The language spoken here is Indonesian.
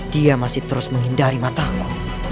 dia masih terus menghindari matamu